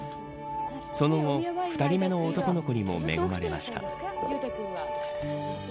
その後、２人目の男の子にも恵まれました。